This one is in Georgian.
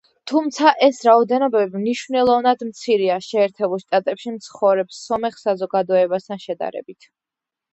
თუმცა ეს რაოდენობები მნიშვნელოვნად მცირეა, შეერთებულ შტატებში მცხოვრებ სომეხ საზოგადოებასთან შედარებით.